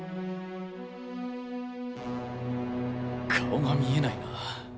顔が見えないな。